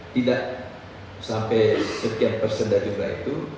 tidak sampai sekian persenda jumlah itu